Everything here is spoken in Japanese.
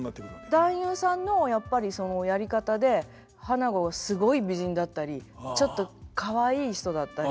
男優さんのやっぱりそのやり方で花子がすごい美人だったりちょっとかわいい人だったり。